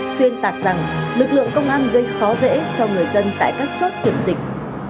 xuyên tạc rằng lực lượng công an gây khó dễ cho người dân tại các chốt kiểm dịch